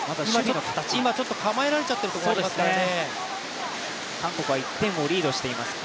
今、ちょっと構えられちゃっているところがありますからね。